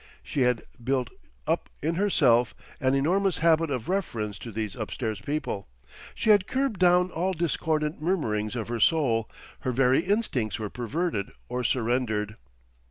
She had built up in herself an enormous habit of reference to these upstairs people, she had curbed down all discordant murmurings of her soul, her very instincts were perverted or surrendered.